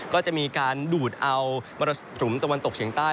ก็จะมีการดูดเอามรสุมตะวันตกเฉียงใต้